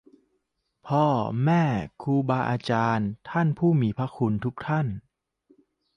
พ่อแม่ครูบาอาจารย์ ท่านผู้มีพระคุณทุกท่าน